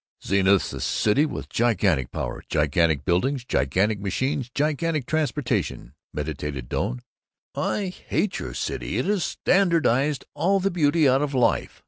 "Zenith's a city with gigantic power gigantic buildings, gigantic machines, gigantic transportation," meditated Doane. "I hate your city. It has standardized all the beauty out of life.